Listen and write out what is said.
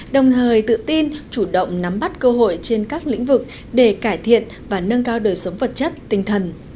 đồng thời tự tin chủ động nắm bắt cơ hội trên các lĩnh vực để cải thiện và nâng cao đời sống vật chất tinh thần